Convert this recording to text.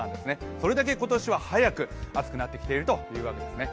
それだけ今年は早く暑くなってきているということなんですね。